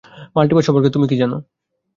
Multiverse সম্পর্কে তুমি কী জানো?